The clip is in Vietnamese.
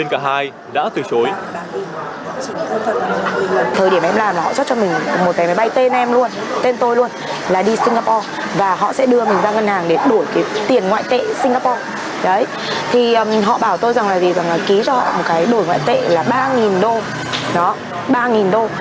thì họ bảo tôi rằng là gì ký cho họ một cái đuổi ngoại tệ là ba đô